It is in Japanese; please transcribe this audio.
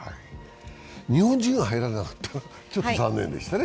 日本人が入らなかったのはちょっと残念でしたね。